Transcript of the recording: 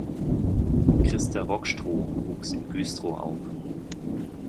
Christa Rockstroh wuchs in Güstrow auf.